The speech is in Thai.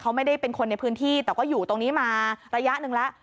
เขาไม่ได้เป็นคนในพื้นที่แต่ก็อยู่ตรงนี้มาระยะหนึ่งแล้ว